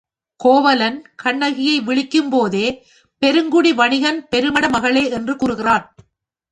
கோவலன் கண்ணகியை விளிக்கும் போதே, பெருங்குடி வணிகன் பெருமட மகளே என்று கூறுகிறான்.